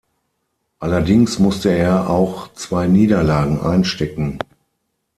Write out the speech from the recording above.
Allerdings musste er auch zwei Niederlagen einstecken.